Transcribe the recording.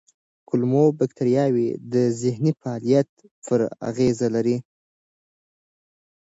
کولمو بکتریاوې د ذهني فعالیت پر اغېز لري.